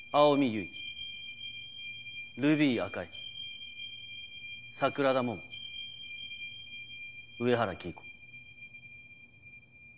唯衣ルビー赤井桜田桃上原黄以子」。